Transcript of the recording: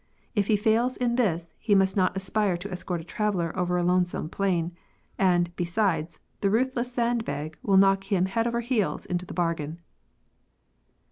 If he fails in this, he must not aspire to escort a traveller over a lonesome plain ; and, besides, the ruthless sand bag will knock him head over heels into the bargain.